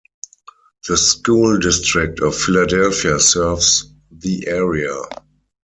The School District of Philadelphia serves the area.